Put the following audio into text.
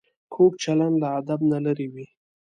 کوږ چلند له ادب نه لرې وي